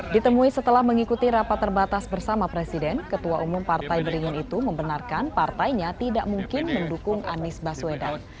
ditemui setelah mengikuti rapat terbatas bersama presiden ketua umum partai beringin itu membenarkan partainya tidak mungkin mendukung anies baswedan